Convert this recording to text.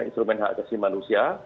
instrumen hak asasi manusia